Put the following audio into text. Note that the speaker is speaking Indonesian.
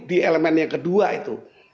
di elemen yang kedua itu